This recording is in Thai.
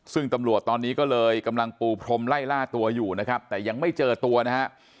ซึ่งตำรวจตอนนี้ก็เลยกำลังปูพรมไล่ล่าตัวอยู่นะครับแต่ยังไม่เจอตัวนะฮะ